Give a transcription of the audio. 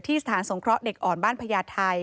สถานสงเคราะห์เด็กอ่อนบ้านพญาไทย